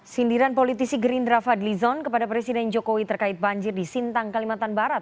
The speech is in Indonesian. sindiran politisi gerindra fadlizon kepada presiden jokowi terkait banjir di sintang kalimantan barat